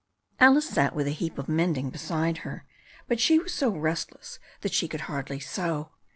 Alice sat with a heap of mending beside her, but she was so restless that she could hardly sew.